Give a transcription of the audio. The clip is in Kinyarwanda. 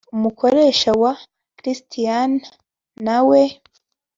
umukoresha wa christina na we